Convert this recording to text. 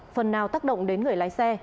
phần nào tác động đến người lái xe